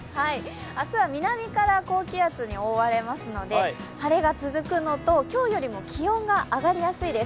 明日は南から高気圧に覆われますので晴れが続くのと今日よりも気温が上がりやすいです。